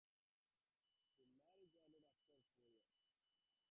The marriage ended after four years.